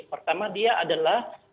pertama dia adalah